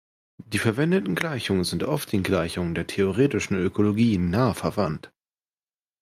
Die verwendeten Gleichungen sind oft den Gleichungen der theoretischen Ökologie nah verwandt.